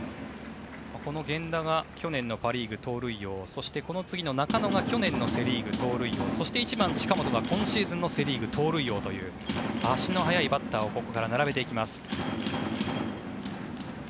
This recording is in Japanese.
この源田が去年のパ・リーグ盗塁王そしてこの次の中野が去年のセ・リーグ盗塁王そして１番、近本が今シーズンのセ・リーグ盗塁王という足の速いバッターをここから並べていきます。